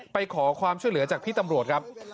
ไปขอความช่วยเหลือจากพี่ตำรวจครับ